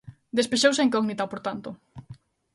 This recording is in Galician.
Despexouse a incógnita, por tanto.